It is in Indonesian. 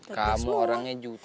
kamu orangnya jutek